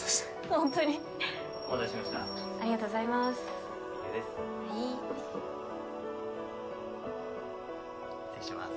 ホントにお待たせしましたビールですありがとうございますはい・失礼します